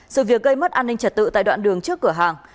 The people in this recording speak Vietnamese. sự việc gây mất an ninh trật tự tại đoạn đường trước cửa hàng